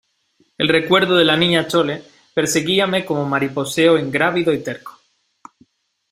el recuerdo de la Niña Chole perseguíame con mariposeo ingrávido y terco.